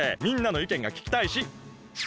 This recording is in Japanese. みんなのいけんがききたいし。